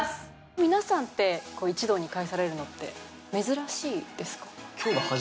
皆さんって一堂に会されるのって珍しいですか？